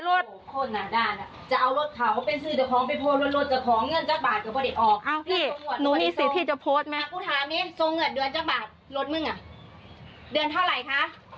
โอ้โหโคตรหนาด้านอ่ะจะเอารถเขาเป็นซื้อเจ้าของไปโพดรถรถรถเจ้าของเงินจากบาทก็ไม่ได้ออก